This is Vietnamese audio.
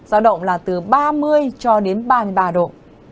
giao động là từ ba mươi ba mươi ba độ